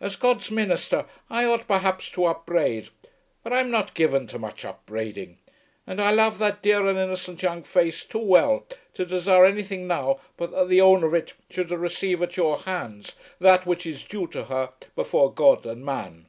As God's minister I ought perhaps to upbraid. But I am not given to much upbraiding, and I love that dear and innocent young face too well to desire anything now but that the owner of it should receive at your hands that which is due to her before God and man."